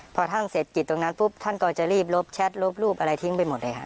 พอท่านเสร็จกิจตรงนั้นปุ๊บท่านก็จะรีบลบแชทลบรูปอะไรทิ้งไปหมดเลยค่ะ